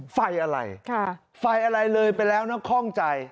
ไฟอะไรไฟอะไรเลยไปแล้วนะคล่องใจ